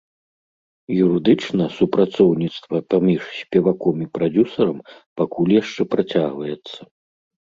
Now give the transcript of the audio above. Юрыдычна супрацоўніцтва паміж спеваком і прадзюсарам пакуль яшчэ працягваецца.